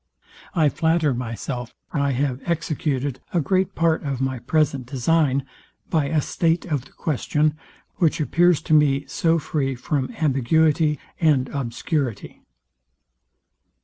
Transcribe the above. I flatter myself I have executed a great part of my present design by a state of the question, which appears to me so free from ambiguity and obscurity.